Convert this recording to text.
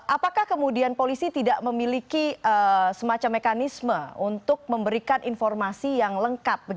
apakah kemudian polisi tidak memiliki semacam mekanisme untuk memberikan informasi yang lengkap